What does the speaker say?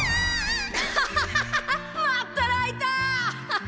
アハハハまた泣いた！